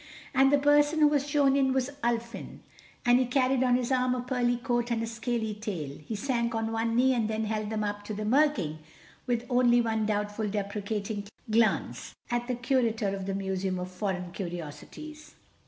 And the person who was shown in was Ulfin, and he carried on his arm a pearly coat and a scaly tail. He sank on one knee and held them up to the Mer King, with only one doubtful deprecating glance at the Curator of the Museum of Foreign Curiosities.